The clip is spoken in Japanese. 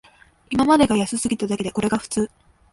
今までが安すぎただけで、これが普通